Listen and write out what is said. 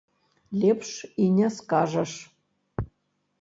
Лепш і не скажаш.